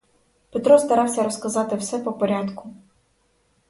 Петро старався розказати все по порядку.